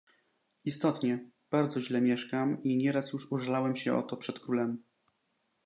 "Istotnie, bardzo źle mieszkam i nieraz już użalałem się o to przed królem."